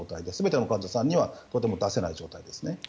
全ての患者さんにはとても出せない状況です。